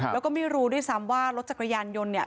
แล้วก็ไม่รู้ด้วยซ้ำว่ารถจักรยานยนต์เนี่ย